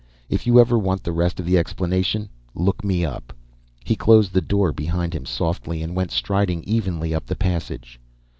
If you ever want the rest of the explanation, look me up." He closed the door behind him softly and went striding evenly up the passage.